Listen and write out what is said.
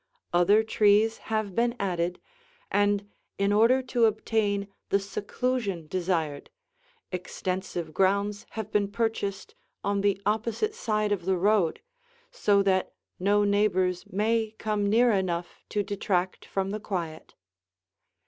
Other trees have been added, and in order to obtain the seclusion desired, extensive grounds have been purchased on the opposite side of the road, so that no neighbors may come near enough to detract from the quiet.